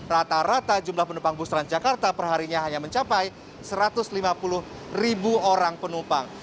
rata rata jumlah penumpang bus transjakarta perharinya hanya mencapai satu ratus lima puluh ribu orang penumpang